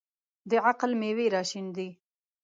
د عقل مېوې راشنېدې.